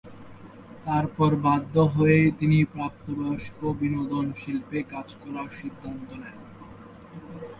তারপর বাধ্য হয়েই তিনি প্রাপ্তবয়স্ক বিনোদন শিল্পে কাজ করার সিদ্ধান্ত নেন।